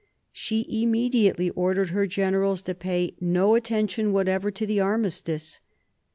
She immediately ordered her generals to pay no attention whatever to the armistice.